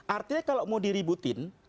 artinya kalau mau diributin